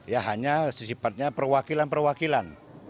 ya hanya sesipatnya perwakilan perwakilan